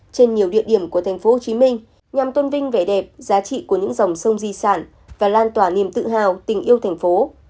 trên nhiều địa điểm của thành phố hồ chí minh nhằm tôn vinh vẻ đẹp giá trị của những dòng sông di sản và lan tỏa niềm tự hào tình yêu thành phố